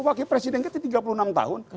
wakil presiden kita tiga puluh enam tahun